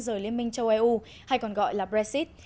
rời liên minh châu âu hay còn gọi là brexit